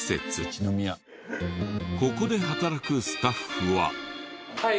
ここで働くスタッフは。